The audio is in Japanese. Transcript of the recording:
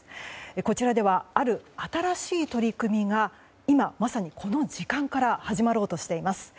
こちらではある新しい取り組みが今まさにこの時間から始まろうとしています。